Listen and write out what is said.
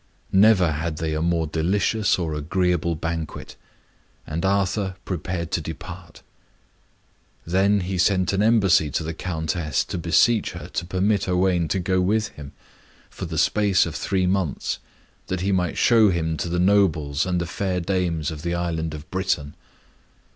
Never had they a more delicious or agreeable banquet. And Arthur prepared to depart. Then he sent an embassy to the Countess to beseech her to permit Owain to go with him, for the space of three months, that he might show him to the nobles and the fair dames of the island of Britain.